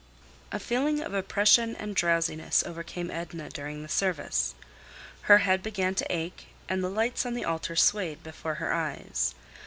XIII A feeling of oppression and drowsiness overcame Edna during the service. Her head began to ache, and the lights on the altar swayed before her eyes.